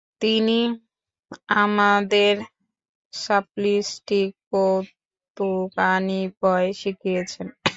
তিনি আমাদের স্ল্যাপস্টিক কৌতুকাভিনয় শিখিয়েছেন।